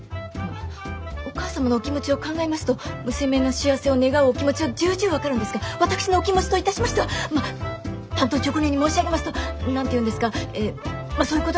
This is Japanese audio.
お母様のお気持ちを考えますと娘の幸せを願うお気持ちは重々分かるんですが私のお気持ちといたしましては単刀直入に申し上げますと何て言うんですかえぇまぁそういうことなんです。